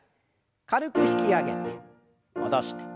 軽く引き上げて戻して。